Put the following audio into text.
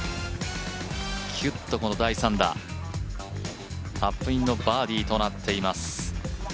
キュッとこの第３打カップインのバーディーとなっています。